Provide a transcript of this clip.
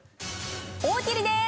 大喜利です！